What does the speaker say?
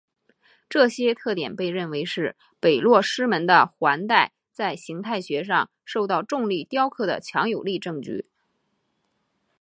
这些特点被认为是北落师门的环带在形态学上受到重力雕刻的强有力证据。